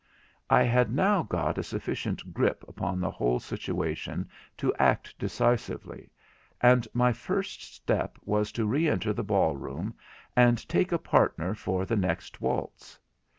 I had now got a sufficient grip upon the whole situation to act decisively, and my first step was to re enter the ball room, and take a partner for the next waltz.